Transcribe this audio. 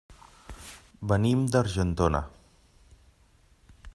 Venim d'Argentona.